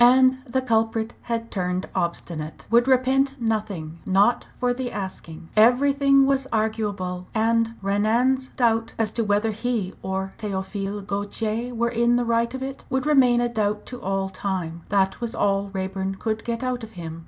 And the culprit had turned obstinate would repent nothing not for the asking. Everything was arguable, and Renan's doubt as to whether he or Théophile Gautier were in the right of it, would remain a doubt to all time that was all Raeburn could get out of him.